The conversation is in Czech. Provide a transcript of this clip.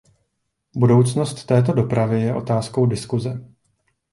Budoucnost této dopravy je otázkou diskuze.